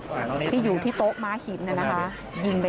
โชว์บ้านในพื้นที่เขารู้สึกยังไงกับเรื่องที่เกิดขึ้น